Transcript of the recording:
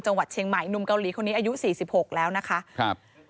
จังหวัดเชียงใหม่หนุ่มเกาหลีคนนี้อายุ๔๖แล้วนะคะ